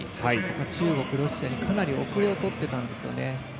中国、ロシアにかなり後れをとってたんですよね。